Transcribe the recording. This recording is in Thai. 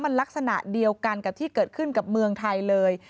มันลักษณะเดียวกันกับที่เกิดขึ้นกับเมืองไทยเลย